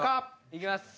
いきます。